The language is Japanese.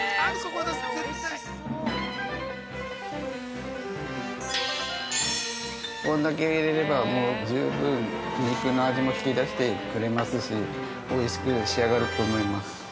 ◆こんだけ入れれば、もう十分肉の味も引き出してくれますし、おいしく仕上がると思います。